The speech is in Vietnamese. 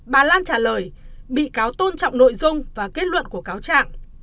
bà lan trả lời bị cáo tôn trọng nội dung và kết luận của cáo trạng